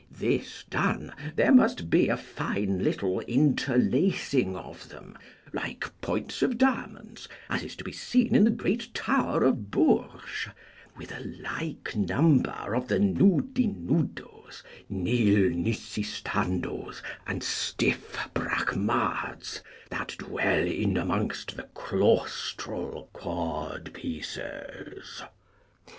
This done, there must be a fine little interlacing of them, like points of diamonds, as is to be seen in the great tower of Bourges, with a like number of the nudinnudos, nilnisistandos, and stiff bracmards, that dwell in amongst the claustral codpieces.